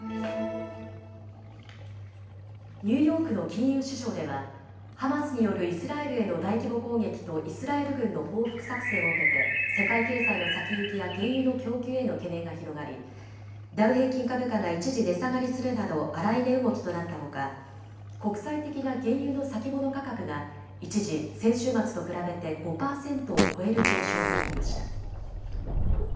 ニューヨークの金融市場ではハマスによるイスラエルへの大規模攻撃とイスラエル軍の報復作戦を受けて世界経済の先行きや原油の供給への懸念が広がりダウ平均株価が一時、値下がりするなど荒い値動きとなったほか国際的な原油の先物価格が一時、先週末と比べて５％を超える上昇となりました。